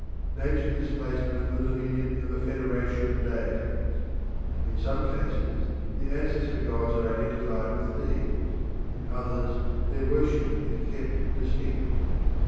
Nature is placed under the dominion of a federation of deities. In some cases the ancestor gods are identified with these; in others their worship is kept distinct.